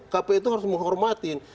kpu itu harus menghormatin